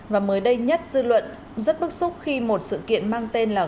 và mới đây nhất dư luận rất bức xúc khi một sự kiện mang tên là